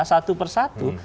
satu per satu